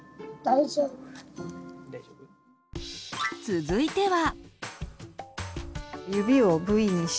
続いては。